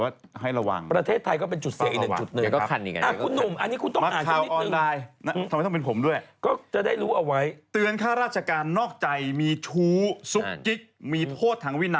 แต่ว่าเขาก็บอกเราว่าให้ระวัง